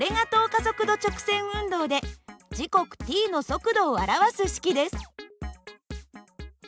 加速度直線運動で時刻ｔの速度を表す式です。